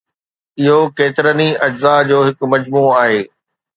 اهو ڪيترن ئي اجزاء جو هڪ مجموعو آهي